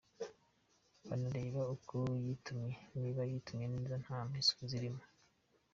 Banareba uko yitumye, niba yitumye neza nta mpiswi zirimo.